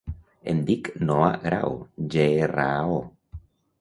Em dic Noah Grao: ge, erra, a, o.